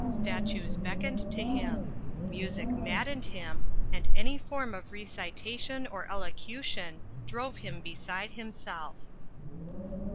Statues beckoned to him. Music maddened him, and any form of Recitation or Elocution drove him beside himself.